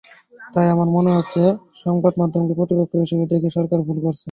তাই আমার মনে হচ্ছে, সংবাদমাধ্যমকে প্রতিপক্ষ হিসেবে দেখে সরকার ভুল করছে।